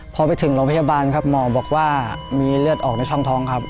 พอไปถึงโรงพยาบาลครับหมอบอกว่ามีเลือดออกในช่องท้องครับ